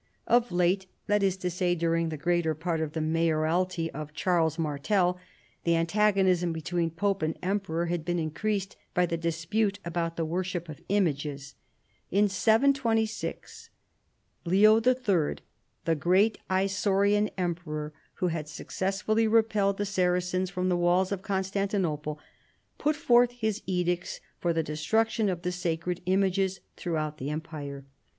Of late — that is to say, during the greater part of the mayoralty of Charles Martel — the antagonism between pope and emperor had been increased by the dispute about the worship of images. In 72Q Leo III. the great Isaurian emperor who had suc cessfully repelled the Saracens from the walls of Constantinople, put forth his edicts for the destruc tion of the sacred images throughout the empire.